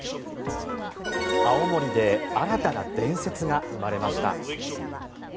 青森で新たな伝説が生まれました。